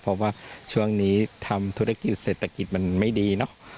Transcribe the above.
เพราะว่าช่วงนี้ทำธุรกิจเศรษฐกิจมันไม่ดีเนอะ